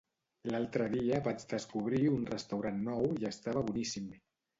L'altre dia vaig descobrir un restaurant nou i estava boníssim.